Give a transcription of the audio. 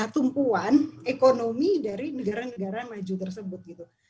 tumpuan ekonomi dari negara negara maju tersebut gitu